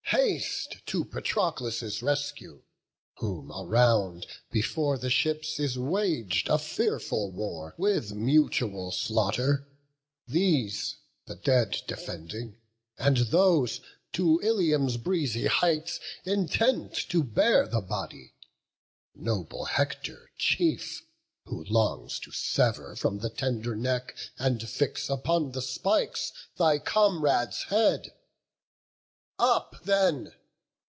Haste to Patroclus' rescue; whom, around, Before the ships, is wag'd a fearful war, With mutual slaughter; these the dead defending, And those to Ilium's breezy heights intent To bear the body; noble Hector chief, Who longs to sever from the tender neck, And fix upon the spikes, thy comrade's head. Up then!